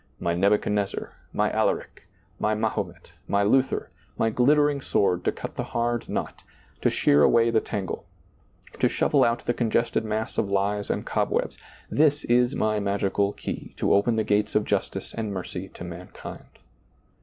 My Nebuchadnezzar, My Alaric, My Ma homet, My Luther, My ghttering sword to cut the hard knot, to shear away the tangle, to shovel out the congested mass of lies and cobwebs ; this is My magical key to open the gates of justice and mercy to mankind."